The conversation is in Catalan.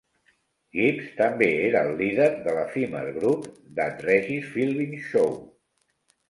Gibbs també era el líder de l'efímer grup "That Regis Philbin Show".